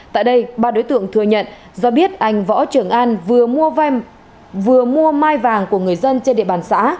tại đây ba đối tượng thừa nhận do biết anh võ trưởng an vừa mua mai vàng của người dân trên địa bàn xã